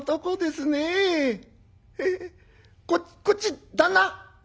こっち旦那？